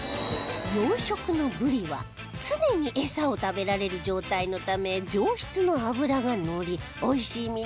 養殖のブリは常に餌を食べられる状態のため上質の脂が乗りおいしい